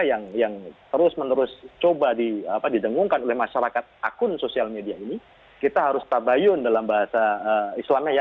yang terus menerus coba didengungkan oleh masyarakat akun sosial media ini kita harus tabayun dalam bahasa islamnya ya